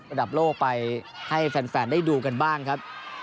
ระดับโลกไปให้แฟนได้ดูกันบ้างครับ